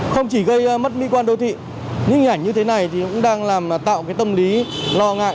không chỉ gây mất mỹ quan đô thị nhưng hình ảnh như thế này cũng đang tạo tâm lý lo ngại